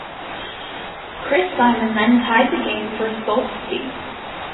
Chris Simon then tied the game for Sault Ste.